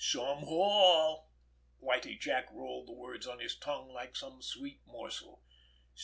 "Some haul!" Whitie Jack rolled the words on his tongue like some sweet morsel.